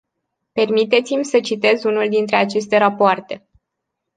Permiteți-mi să citez unul dintre aceste rapoarte.